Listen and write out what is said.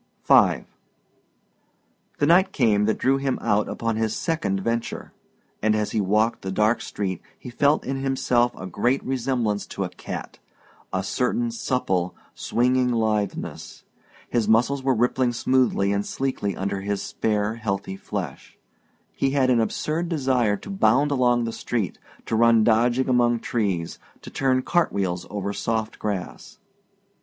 V The night came that drew him out upon his second venture, and as he walked the dark street he felt in himself a great resemblance to a cat a certain supple, swinging litheness. His muscles were rippling smoothly and sleekly under his spare, healthy flesh he had an absurd desire to bound along the street, to run dodging among trees, to turn "cart wheels" over soft grass.